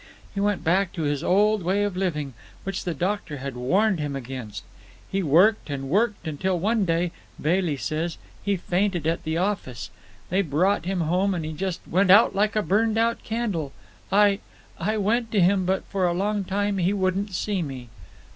He went back to his old way of living, which the doctor had warned him against. He worked and worked, until one day, Bailey says, he fainted at the office. They brought him home, and he just went out like a burned out candle. I—I went to him, but for a long time he wouldn't see me.